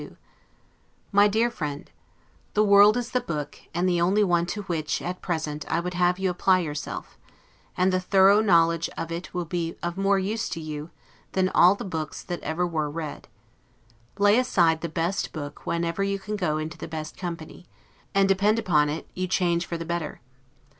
S. 1752 MY DEAR FRIEND: The world is the book, and the only one to which, at present, I would have you apply yourself; and the thorough knowledge of it will be of more use to you, than all the books that ever were read. Lay aside the best book whenever you can go into the best company; and depend upon it, you change for the better.